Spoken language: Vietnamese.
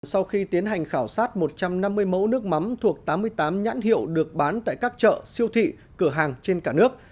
sau khi tiến hành khảo sát một trăm năm mươi mẫu nước mắm thuộc tám mươi tám nhãn hiệu được bán tại các chợ siêu thị cửa hàng trên cả nước